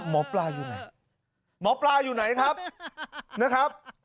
มอปราอยู่ไหนครับนะครับ